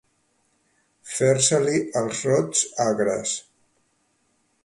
Fer-se-li els rots agres.